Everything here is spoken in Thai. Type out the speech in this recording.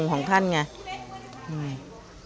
มีหลานชายคนหนึ่งเขาไปสื่อจากคำชโนธ